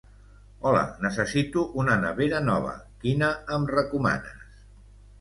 Hola, necessito una nevera nova, quina em recomanes?